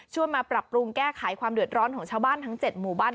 มาปรับปรุงแก้ไขความเดือดร้อนของชาวบ้านทั้ง๗หมู่บ้าน